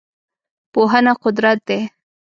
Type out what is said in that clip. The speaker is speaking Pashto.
پوهنه قدرت دی.